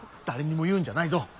誰にも言うんじゃないぞ。